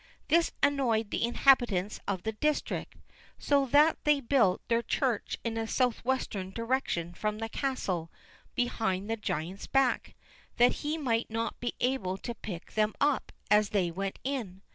This annoyed the inhabitants of the district, so that they built their church in a southwestern direction from the castle behind the giant's back, that he might not be able to pick them up as they went in.